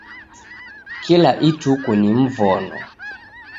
Kila ituku ni mvono